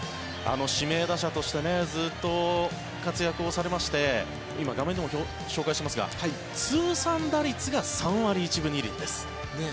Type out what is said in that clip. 指名打者としてずっと活躍をされまして今、画面でも紹介してますが通算打率が３割１分２厘です。